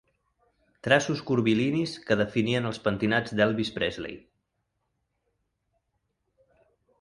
Traços curvilinis que definien els pentinats d'Elvis Presley.